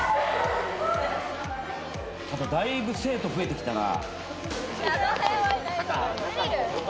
ただだいぶ生徒増えてきたな。